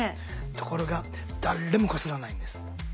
ところが誰もこすらないんです。